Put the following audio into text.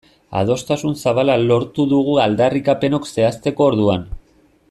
Adostasun zabala lortu dugu aldarrikapenok zehazteko orduan.